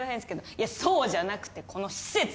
いやそうじゃなくてこの施設が！